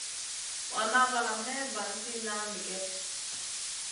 Morna valam Mey vanti nanigue.